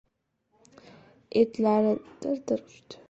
Etlari dir-dir uchdi.